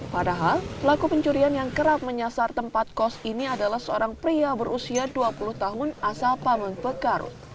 padahal pelaku pencurian yang kerap menyasar tempat kos ini adalah seorang pria berusia dua puluh tahun asal pameng pekarut